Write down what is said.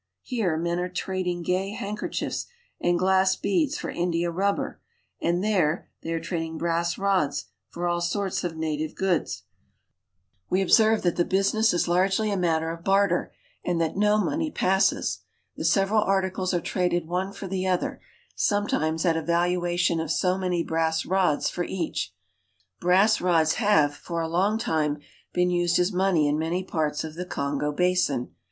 Here, men are trading gay handker chiefs and glass beads for india rubber, and there, they are trading brass rods for all sorts of native goods. 246 AFRICA We observe that the business is largely a matter of barter, and that no money passes. The several articles are traded one for the other, sometimes at a valuation of so many brass rods for each. Brass rods have, for a long time, been used as money in many parts of the Kongo basin.